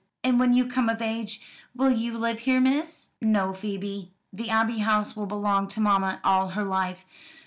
And when you come of age, will you live here, miss?" "No, Phoebe. The Abbey House will belong to mamma all her life.